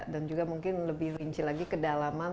dan juga mungkin lebih rinci lagi kedalaman